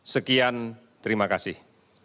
sekian terima kasih